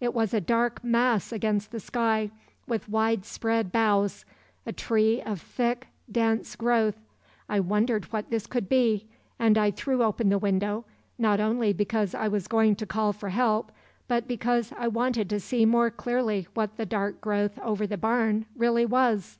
It was a dark mass against the sky, with wide spread boughs, a tree of thick, dense growth. I wondered what this could be, and I threw open the window, not only because I was going to call for help, but because I wanted to see more clearly what the dark growth over the barn really was.